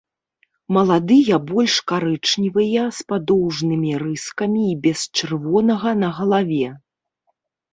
Маладыя больш карычневыя, з падоўжнымі рыскамі і без чырвонага на галаве.